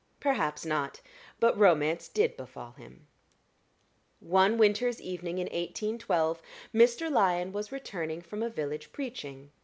Perhaps not; but romance did befall him. One winter's evening in 1812, Mr. Lyon was returning from a village preaching.